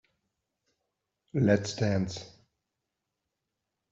Let's dance.